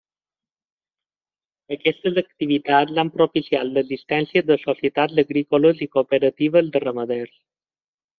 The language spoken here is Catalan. Aquestes activitats han propiciat l'existència de societats agrícoles i cooperatives de ramaders.